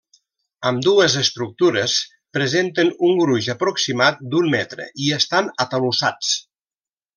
Ambdues estructures presenten un gruix aproximat d'un metre i estan atalussats.